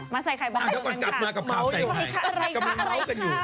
มาใส่ไข่บอลกันกันค่ะอะไรคะอะไรคะมัวอยู่อะไรคะ